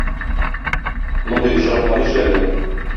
Мондый очракта нишләргә?